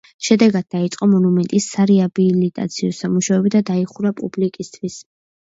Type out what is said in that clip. შედეგად დაიწყო მონუმენტის სარეაბილიტაციო სამუშაოები და დაიხურა პუბლიკისთვის.